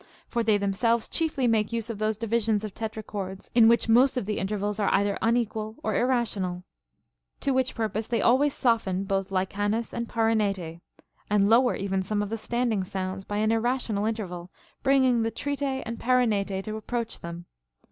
For they themselves chiefly make use of those divisions of tetrachords in which most of the intervals are either unequal or irrational. To Λvhich purpose they always soften both lichanos and para nete, and lower even some of the standing sounds by an irrational interval, bringing the trite and paranete to ap proach them.